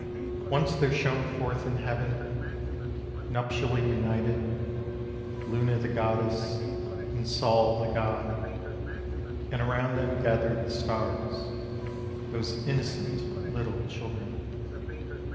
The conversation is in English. Once there shone forth in heaven, Nuptially united. Luna the goddess, and Sol the god. And around them gathered the stars, Those innocent little children.